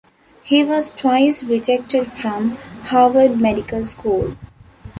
He was twice rejected from Harvard Medical School.